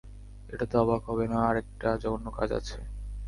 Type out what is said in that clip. এটাতে অবাক হবে না, আরেকটা জঘন্য কাজ আছে।